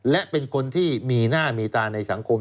และเป็นคนที่มีหน้ามีตาในสังคม